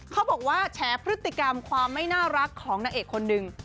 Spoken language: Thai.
เขาบอกว่าแฉพฤติกรรมความไม่น่ารักของนางเอกคนหนึ่ง